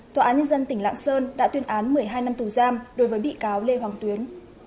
tòa án nhân dân tỉnh lạng sơn đã tuyên án một mươi hai năm tù giam đối với bị cáo lê hoàng tuyến